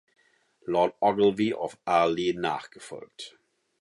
Lord Ogilvy of Airlie nachgefolgt.